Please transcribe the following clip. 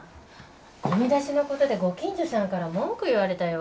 ゴミ出しの事でご近所さんから文句言われたよ。